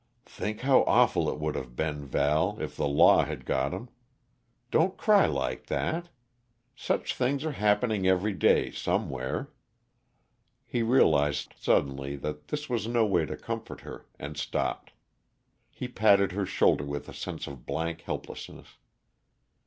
"Think how awful it would have been, Val, if the law had got him. Don't cry like that! Such things are happening every day, somewhere " He realized suddenly that this was no way to comfort her, and stopped. He patted her shoulder with a sense of blank helplessness.